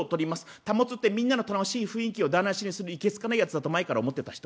たもつってみんなの楽しい雰囲気を台なしにするいけ好かないやつだと前から思ってた人。